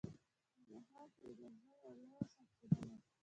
تلخان د انرژۍ یوه لویه سرچینه ده.